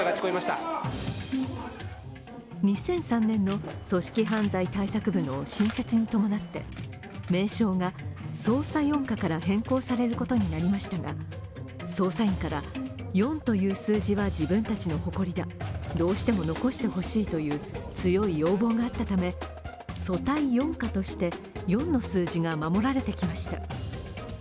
２００３年の組織犯罪対策部の新設に伴って名称が捜査四課から変更されることになりましたが、捜査員から、四という数字は自分たちの誇りだどうしても残してほしいという強い要望があったため組対四課として四の数字が守られてきました。